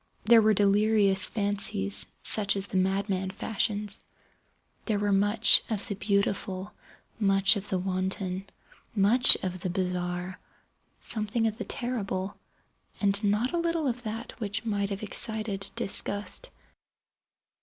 There were delirious fancies such as the madman fashions. There were much of the beautiful, much of the wanton, much of the bizarre, something of the terrible, and not a little of that which might have excited disgust.